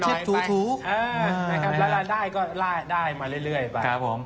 เช็บถูนะครับแล้วรายได้ก็รายได้มาเรื่อยไป